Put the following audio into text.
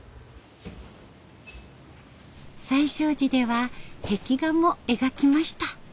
西唱寺では壁画も描きました。